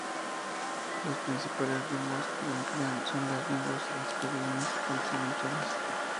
Las principales lenguas que la emplean son las lenguas escandinavas continentales.